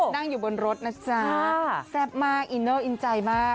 นั่งอยู่บนรถนะจ๊ะแซ่บมากอินเนอร์อินใจมาก